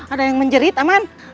ada yang menjerit aman